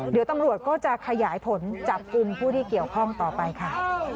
เดี๋ยวตำรวจก็จะขยายผลจับกลุ่มผู้ที่เกี่ยวข้องต่อไปค่ะ